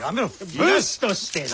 武士としてな。